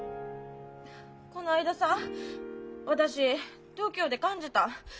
こないださ私東京で感じた。